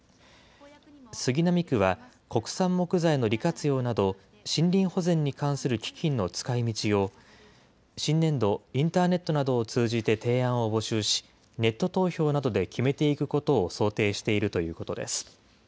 杉並区は、国産木材の利活用など、森林保全に関する基金の使いみちを、新年度、インターネットなどを通じて提案を募集し、ネット投票などで決めていくことを想定しているということです。